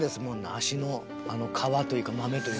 足の皮というかマメというかね。